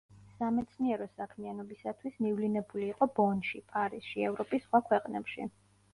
სამეცნიერო საქმიანობისათვის მივლინებული იყო ბონში, პარიზში, ევროპის სხვა ქვეყნებში.